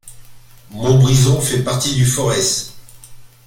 Montbrison fait partie du Forez.